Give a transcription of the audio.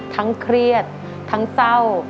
ทั้งเครียดทั้งเจ้า